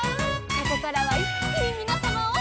「ここからはいっきにみなさまを」